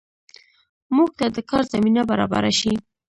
موږ ته د کار زمینه برابره شي